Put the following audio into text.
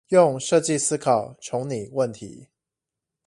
用設計思考重擬問題